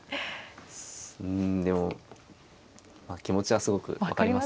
うんでも気持ちはすごく分かります。